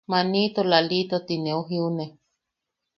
Manito Lalito ti neu jiune.